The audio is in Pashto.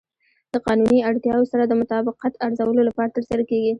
د قانوني اړتیاوو سره د مطابقت ارزولو لپاره ترسره کیږي.